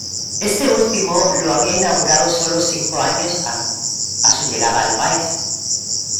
Este último lo había inaugurado sólo cinco años antes, a su llegada al país.